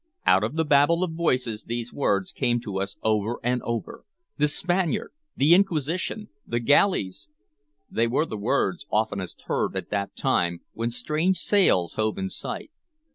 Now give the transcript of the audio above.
Out of the babel of voices these words came to us over and over: "The Spaniard!" "The Inquisition!" "The galleys!" They were the words oftenest heard at that time, when strange sails hove in sight.